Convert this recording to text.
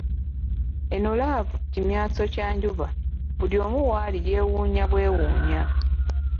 Eno laavu kimyanso kya njuba buli omu waali yeewuunya bwewuunya.